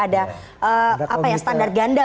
ada apa ya standar ganda